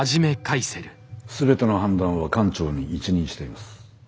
全ての判断は艦長に一任しています。